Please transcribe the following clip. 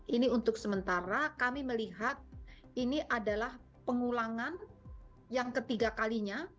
ini untuk sementara kami melihat ini adalah pengulangan yang ketiga kalinya